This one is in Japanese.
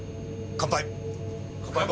乾杯。